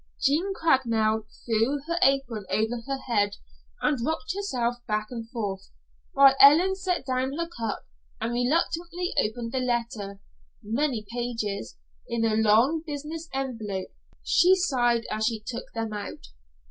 Jean Craigmile threw her apron over her head and rocked herself back and forth, while Ellen set down her cup and reluctantly opened the letter many pages, in a long business envelope. She sighed as she took them out.